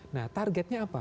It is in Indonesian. nah targetnya apa